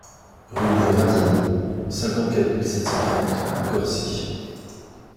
Rue du Radimont, cinquante-quatre mille sept cent trente Gorcy